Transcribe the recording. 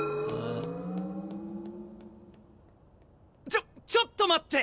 ちょちょっと待って！